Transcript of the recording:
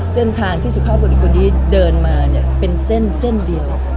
เส้นทางที่สุภาพบริคนนี้เดินมาเนี่ยเป็นเส้นเส้นเดียว